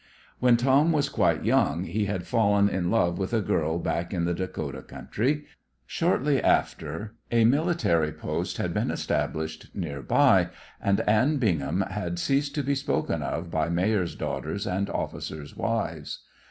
When Tom was quite young he had fallen in love with a girl back in the Dakota country. Shortly after a military post had been established near by, and Anne Bingham had ceased to be spoken of by mayors' daughters and officers' wives.